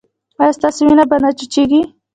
ایا ستاسو وینه به نه وچیږي؟